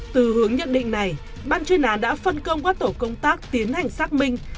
từ hướng nhận định này ban chuyên án đã phân công các tổ công tác tiến hành xác minh